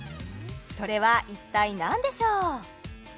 それは一体何でしょう？